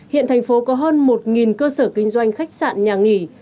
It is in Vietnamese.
hiện thành phố có hơn một cơ sở kinh doanh khách sạn nhà nghỉ